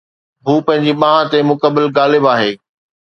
هو پنهنجي ٻانهن تي مڪمل غالب آهي